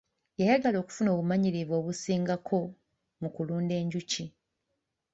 Yayagala okufuna obumanyirivu obusingako mu kulunda enjuki.